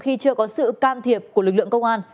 khi chưa có sự can thiệp của lực lượng công an